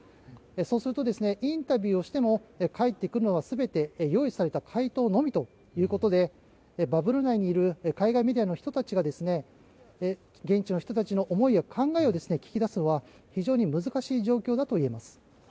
そうするとインタビューをしても返ってくるのは全て用意された回答のみということでバブル内にいる海外メディアの人たちが現地の人たちの思いや考えを聞き出すのは非常に難しい状況だといえます。